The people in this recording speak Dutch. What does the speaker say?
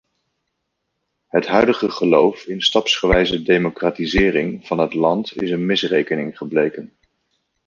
Het huidige geloof in stapsgewijze democratisering van het land is een misrekening gebleken.